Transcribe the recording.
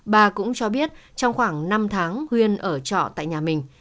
bà cũng cho biết trong khoảng năm tháng huyên ở trọ tại nhà mình